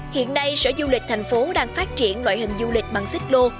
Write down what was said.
hiện nay sở du lịch thành phố đang phát triển loại hình du lịch bằng xích lô